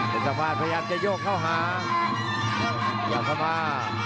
เพชรตั้งบ้านพยายามจะโยกเข้าหา